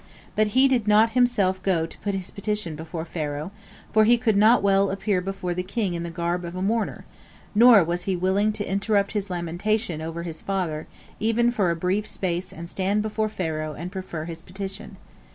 But he did not himself go to put his petition before Pharaoh, for he could not well appear before the king in the garb of a mourner, nor was he willing to interrupt his lamentation over his father for even a brief space and stand before Pharaoh and prefer his petition.